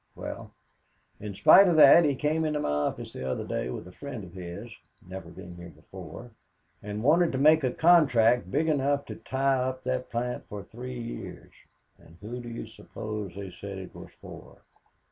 "Well, in spite of that he came into my office the other day with a friend of his never been here before and wanted to make a contract big enough to tie up that plant for three years and who do you suppose they said it was for?